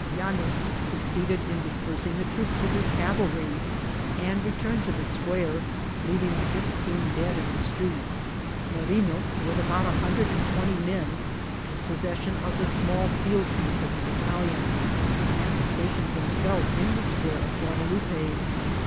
Yaies succeeded in dispersing the troops with his cavalry, and returned to the square, leaving fifteen dead in the street Mermo, with about a hun dred and twenty men, took possession of the small field* piece of the battalion, and stationed himself in the square of Guadaloiq>e.